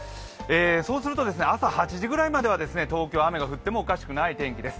そうすると、朝８時ぐらいまでは東京、雨が降ってもおかしくない天気です。